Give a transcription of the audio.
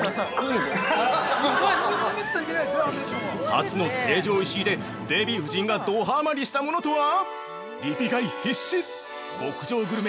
◆初の成城石井で、デヴィ夫人がドはまりしたものとは！？